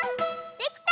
できた！